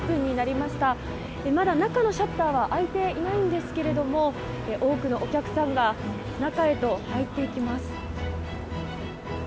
まだ中のシャッターは開いていないんですけども多くのお客さんが中へと入っていきます。